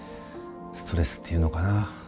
ストレスって言うのかな？